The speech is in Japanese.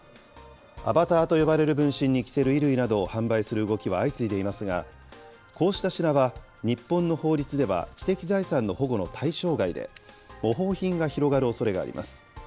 アバターと呼ばれる分身に着せる衣類などを販売する動きは相次いでいますが、こうした品は、日本の法律では知的財産の保護の対象外で、模倣品が広がるおそれがあります。